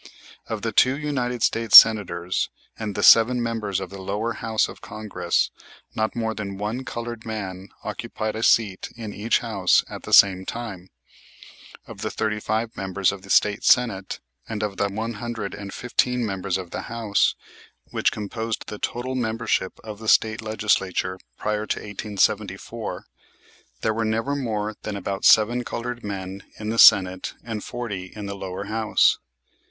Of the two United States Senators and the seven members of the lower house of Congress not more than one colored man occupied a seat in each house at the same time. Of the thirty five members of the State Senate, and of the one hundred and fifteen members of the House, which composed the total membership of the State Legislature prior to 1874, there were never more than about seven colored men in the Senate and forty in the lower house.